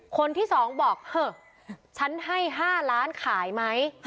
คนที่๒บอกเหอะฉันให้๕ล้านขายไหม